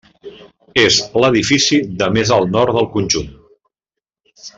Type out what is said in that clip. És l'edifici de més al nord del conjunt.